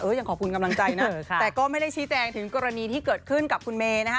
ยังขอบคุณกำลังใจนะแต่ก็ไม่ได้ชี้แจงถึงกรณีที่เกิดขึ้นกับคุณเมย์นะฮะ